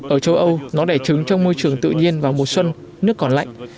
ở châu âu nó đẻ trứng trong môi trường tự nhiên vào mùa xuân nước còn lạnh